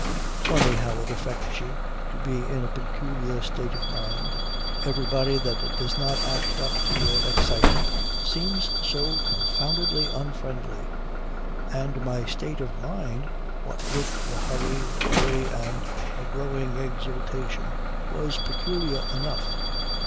Funny how it affects you to be in a peculiar state of mind: everybody that does not act up to your excitement seems so confoundedly unfriendly. And my state of mind what with the hurry, the worry and a growing exultation was peculiar enough.